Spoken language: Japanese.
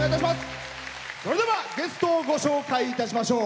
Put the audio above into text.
それでは、ゲストをご紹介いたしましょう。